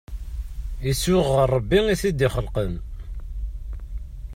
Isuɣ ɣer Rebbi i t-id-ixelqen.